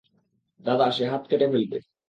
দাদা, সে হাত কেটে ফেলবে।